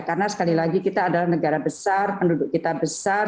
karena sekali lagi kita adalah negara besar penduduk kita besar